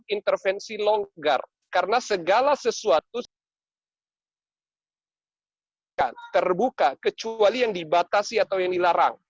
intervensi longgar karena segala sesuatu terbuka kecuali yang dibatasi atau yang dilarang